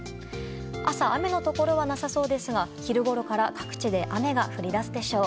朝、雨のところはなさそうですが昼ごろから各地で雨が降り出すでしょう。